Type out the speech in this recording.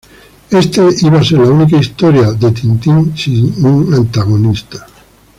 Esta iba a ser la única historia de Tintín sin un antagonista.